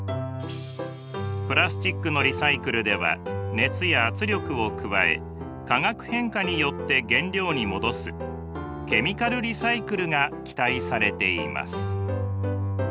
プラスチックのリサイクルでは熱や圧力を加え化学変化によって原料に戻すケミカルリサイクルが期待されています。